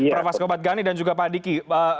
prof asrobat ghani dan juga pak adiki